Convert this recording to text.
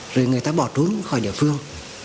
rồi người ta bỏ trốn khỏi địa phương